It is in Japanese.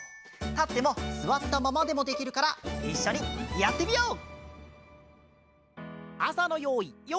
たってもすわったままでもできるからいっしょにやってみよう！